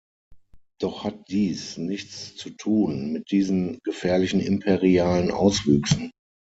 Doch hat dies nichts zu tun mit diesen gefährlichen imperialen Auswüchsen.